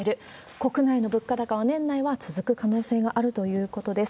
国内の物価高も年内は続く可能性があるということです。